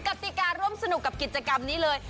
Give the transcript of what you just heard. กติการ่วมสนุกกับกิจกรรมนี้เลย